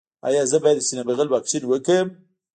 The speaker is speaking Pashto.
ایا زه باید د سینه بغل واکسین وکړم؟